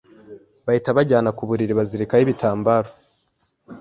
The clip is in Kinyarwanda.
bahita banjyana ku buriri bazirikaho ibitambaro